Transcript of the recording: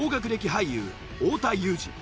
俳優太田裕二。